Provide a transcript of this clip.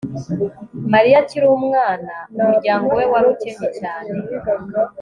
Mariya akiri umwana umuryango we wari ukennye cyane